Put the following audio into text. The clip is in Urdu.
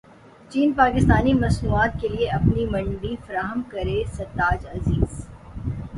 چین پاکستانی مصنوعات کیلئے اپنی منڈی فراہم کرے سرتاج عزیز